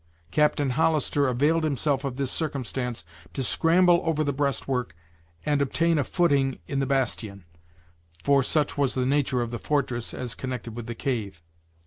Captain Hollister availed himself of this circumstance to scramble ever the breastwork and obtain a footing in the bastion for such was the nature of the fortress, as connected with the cave.